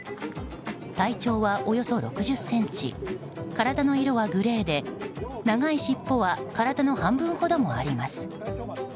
体長は、およそ６０ｃｍ体の色はグレーで、長い尻尾は体の半分ほどもあります。